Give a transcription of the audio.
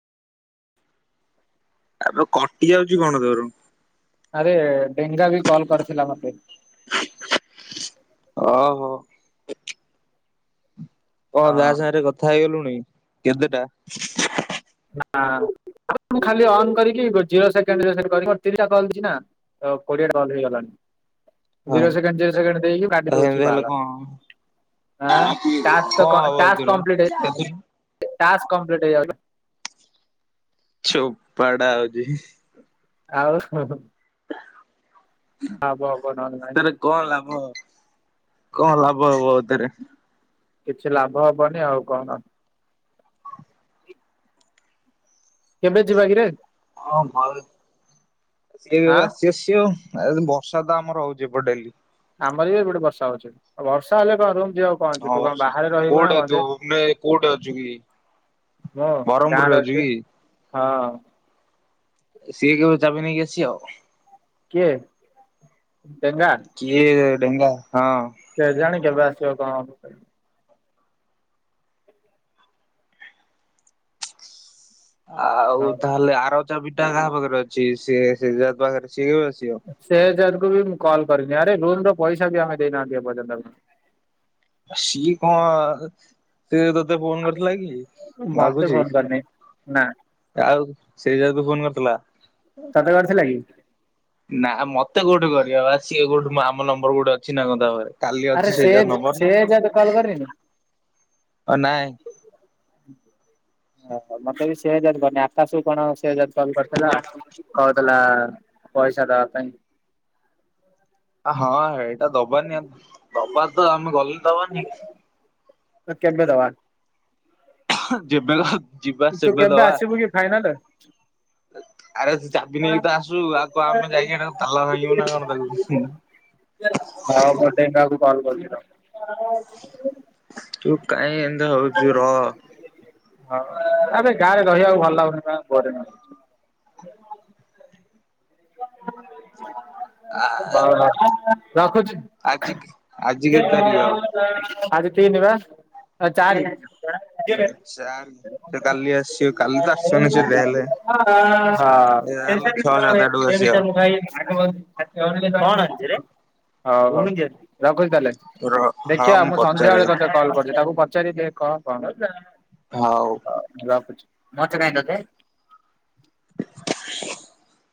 ଆବେ କଟି ଯାଉଛି କଣ ତୋର। ଆରେ ଡେଙ୍ଗା ବି କଲ କରିଥିଲା ମତେ। ଓହୋ। କଁ ହଁ ତା ସାଙ୍ଗରେ କଥା ହେଇଗଲୁଣି କେତେଟା। ନା ଆବେ ମୁଁ ଖାଲି ଏଇ କରିକି [inaudible] ତ କୋଡିଏ ଟା ଖଣ୍ଡେ ହେଇଗଲଣି। ହଁ ଜିରୋ ସେକଣ୍ଡ ଜିରୋ ସେକେଣ୍ଡ ଦେଇକି ତ କାଟି ସେମିତି ହେଲେ ଦଉଛି! କଣ ! ! ! ! ! ! ! ! ! ଆଁ ଟାକ୍ସ କଣ ହବ ଟାକ୍ସ ଏଥିରୁ କମ୍ପିଲ୍ଟ କେତେ ଟାକ୍ସ କମ୍ପିଲ୍ଟ ହେଇଯାଉଛି। ଚୋପାଡା ହଉଛି। ଆଉ ହୁଁ ହୁଁ ହବ ହବ ନହେଲେ ତାର ନାଇଁ। କଣ ଲାଭ କଣ ଲାଭ ହବ ଏଥିରେ। କିଛି ଲାଭ ହବନି ଆଉ କଣ। କେବେ ଯିବା କିରେ। [unintelligible] ଆଉ ବର୍ଷା ଆଁ ତ ଆମର ହଉଛି ଏପଟେ ଡେଲି। ଆମର ବି ଏପଟେ ବର୍ଷା ହଉଛି ଆଉ ବର୍ଷା କଁ ରୁମ ଯିବାକୁ। କଣ ଅଛି ତୁ ହଁ କଣ ବର୍ଷେ ବାହାରେ ରହିବୁ ନା କଉଠେ କଣ ଯେ ତୁ ଭୁବନେ କଉଠେ ଅଛୁ କି। ମୁଁ ଗାଁରେ ବାରମପୁରରେ ଅଛୁ ଅଛି କି। ହଁ। ସିଏ କେବେ ଚାବି ନେଇକି ଆସିବ। କିଏ ଡେଙ୍ଗା। କିଏ ଡେଙ୍ଗା ହଁ। କେଜାଣି କେବେ ଆସିବ କଣ ହବ। ହଁ ଆଉ ତାହେଲେ ଆର ଚାବିଟା କାହା ପାଖରେ ଅଛି ସେ ସେହେଜାଦ ପାଖରେ ସିଏ କେବେ ଆସିବ। ସେହଜାଦ କୁୁ ବି ମୁଁ କଲ୍ କରିନି ଆରେ ରୁମ୍ ର ପଇସା ବି ଆମେ ଦେଇନାହାନ୍ତି ଏପର୍ଯ୍ୟନ୍ତ। ସିଏ କଁ। ସେୟା ତୋତେ ଫୋନ କରିଥିଲାକି ମତେ ମାଗୁଚି? ଫୋନ୍ କରିନି ନା ଆଉ ସେଇ ଜେହେତୁ ଫୋନ କରିଥିଲା। ତତେ କରିଥିଲା କି? ନା ମତେ କୋଉଠି କରିବ ବା ସିଏ କୋଉଠି ଆମ ନମ୍ବର କୋଉଠୁ ଅଛି ନା କଣ ତା ପାଖରେ। କାଲି ଅଛି ଆରେ ସେ ସେଜା ନମ୍ବର ନା ସେ ଜଦି କଲ୍ କରେନି ଓ ନାଇଁ ଓ ହଁ ମତେବି ସେ ଜଦ କରିନି ଆକାଶକୁ ବି କଣ ସେ ଜଦୀ କଲ କରିଥିଲା। କହୁଥିଲା ପଇସା ଦବା ପାଇଁ। ହଁ ଏଇଟା ଦବାନି ଦବାତ ଆମେ ଗଲେ ଦବାନି। କେବେ ଦବା? [unintelligible] ଯେବେ ଜିବା ତୁ ସେବେ କେବେ ଦବା। ଆସିବୁ କି ଫାଇନାଲ? ଆରେ ଚାବି ନେଇକିତ ଆସୁ ଆଉ କଁ ଆମେ ଯାଇକି ତାଲା ଭାଙ୍ଗିବୁନା କଣ ତାକୁ ହୁଁ। ହଁ ଗୋଟେ କାକୁ କଲ କରିକି କ [unintelligible] ତୁ କାଇଁ ଏମିନ୍ତି ହଉଚୁ ରହ। ହଁ ଆଁବେ ଗାଁରେ ରହିବାକୁ ଭଲ ଲାଗୁନି କହିଲା ପରେ ହଉ ହଉ ରଖୁଚି? ଆଜିକି ଆଜି କେତେ ତାରିଖ? ଆଜି ତିନି ବା ଚାରି। ସେ କାଲି [unintelligible] ଆସିବ କାଲି ତ ଆସିବନି ହଁ। ସେ ଯାହାହେଲେ। [unintelligible] ଭାଇ ଯାହାହେଲେ ଛଅ ସାତ କଣ ଆଡକୁ ଆସିବ ଆଣୀଚୁରେ ହୁଁ ହଁ ରଖୁଚି ତାହେଲେ? ର ହଁ ଦେଖିଆ ମୁଁ ପଚାରେ ସନ୍ଧ୍ୟାବେଳେ ଦେଖେ ତତେ କଲ୍ କରିବି ତାକୁ ପଚାରି କହ କଣ ହୋଉ। ହଉ ରଖୁଚି ମତେ କାହିଁ ତତେ